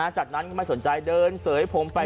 จากนั้นก็ไม่สนใจเดินเซย์ไฟพรมใบ